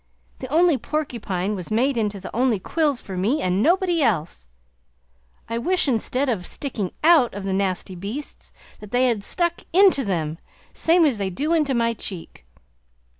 The only porcupine was made into the only quills for me and nobody else! I wish instead of sticking OUT of the nasty beasts, that they stuck INTO them, same as they do into my cheek!